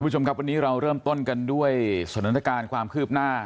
คุณผู้ชมครับวันนี้เราเริ่มต้นกันด้วยสถานการณ์ความคืบหน้า